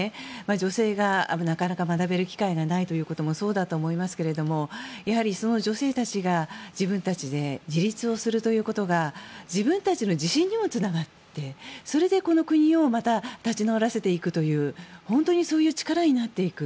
女性がなかなか学べる機会がないということもそうだと思いますがやはりその女性たちが自分たちで自立をするということが自分たちの自信にもつながってそれでこの国をまた立ち直らせていくという本当にそういう力になっていく。